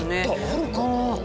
あるかな。